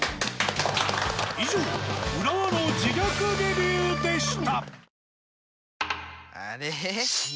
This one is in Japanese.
以上浦和の自虐レビューでした。